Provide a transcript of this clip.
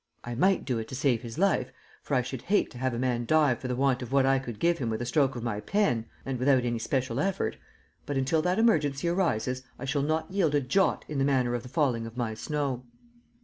I might do it to save his life, for I should hate to have a man die for the want of what I could give him with a stroke of my pen, and without any special effort, but until that emergency arises I shall not yield a jot in the manner of the falling of my snow.